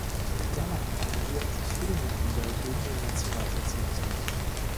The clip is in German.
Dennoch engagierten sich viele Mitglieder gegen den Nationalsozialismus.